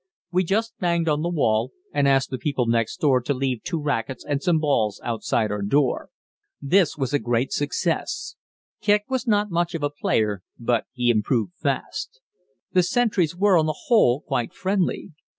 We just banged on the wall and asked the people next door to leave two racquets and some balls outside our door. This was a great success. Kicq was not much of a player, but he improved fast. The sentries were on the whole quite friendly.